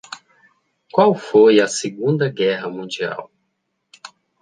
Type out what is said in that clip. Qual foi a Segunda Guerra Mundial?